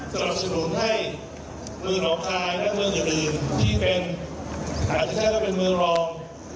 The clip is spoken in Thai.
สนับสนุนให้มือหนองคลายที่เป็นอาจจะใช่มาเป็นมือรอง